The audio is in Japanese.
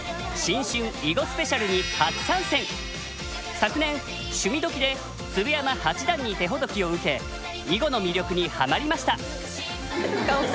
昨年「趣味どきっ！」で鶴山八段に手ほどきを受け囲碁の魅力にはまりました。